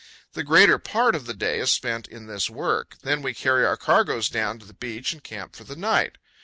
The greater part of the day is spent in this work. Then we carry our cargoes down to the beach and camp for the night.